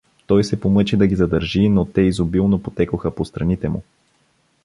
Той се помъчи да ги задържи, но те изобилно потекоха по страните му.